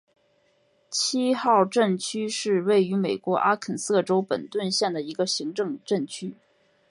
七号镇区是位于美国阿肯色州本顿县的一个行政镇区。